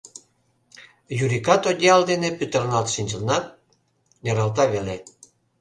Юрикат одеял дене пӱтырналт шинчынат, нералта веле.